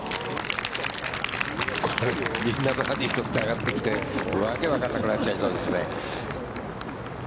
これ、みんなバーディーを取って上がってきて訳がわからなくなっちゃいそうですね。